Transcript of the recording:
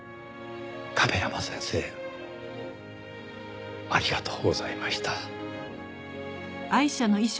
「亀山先生ありがとうございました」